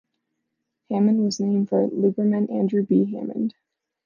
Hammond was named for lumberman Andrew B. Hammond.